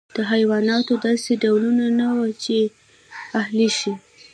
د حیواناتو داسې ډولونه نه وو چې اهلي شي.